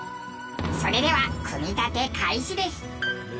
それでは組み立て開始です。